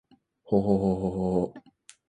ほほほほほっ h